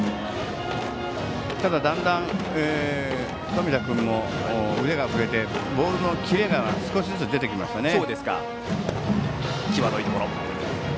ただ、だんだん冨田君も腕が振れてボールのキレが少しずつ出てきましたね。